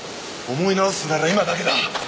思い直すなら今だけだ。